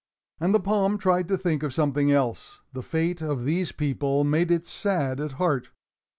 And the palm tried to think of something else. The fate of these people made it sad at heart.